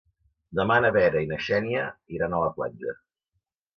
Demà na Vera i na Xènia iran a la platja.